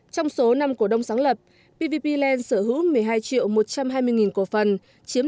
trong số năm cổ đông sáng lập pvp land sở hữu một mươi hai triệu một trăm hai mươi cổ phần chiếm năm mươi năm